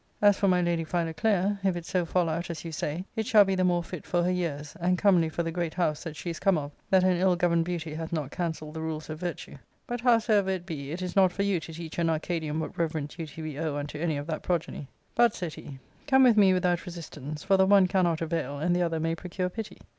As for my lady Philoclea, if it so fall out as you say, it shall be the more fit foi* her years, and comely for the great house that she is come of, that an ill governed beauty hath not cancelled the rules of virtue. But, howsoever it be, it is not for you to teach an Arcadian what reverent duty we owe unto any of that progeny. But," said he, " conie with me without resistance ; ft>r the one cannot avail and the other may procure pity."